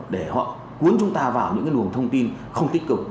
để họ cuốn chúng ta vào những cái nguồn thông tin không tích cực